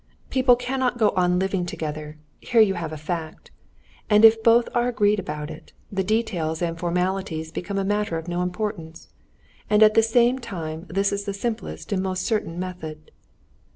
"People cannot go on living together—here you have a fact. And if both are agreed about it, the details and formalities become a matter of no importance. And at the same time this is the simplest and most certain method."